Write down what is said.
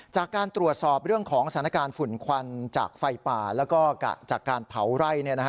จากการตรวจสอบเรื่องของสถานการณ์ฝุ่นควันจากไฟป่าแล้วก็จากการเผาไร่